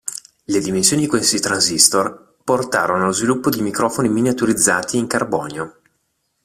Le dimensioni di questi transistor portarono allo sviluppo di microfoni miniaturizzati in carbonio.